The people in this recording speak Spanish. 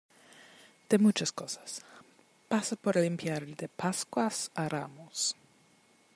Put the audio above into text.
de muchas cosas. pasa por limpiar de Pascuas a Ramos .